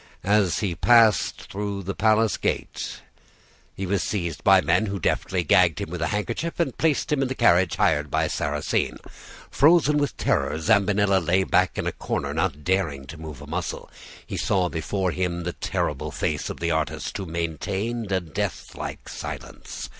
As he passed through the palace gate he was seized by men who deftly gagged him with a handkerchief and placed him in the carriage hired by Sarrasine. Frozen with terror, Zambinella lay back in a corner, not daring to move a muscle. He saw before him the terrible face of the artist, who maintained a deathlike silence.